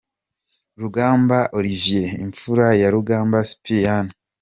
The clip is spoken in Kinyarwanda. Rugamba Olivier imfura ya Rugamba Sipiriyani .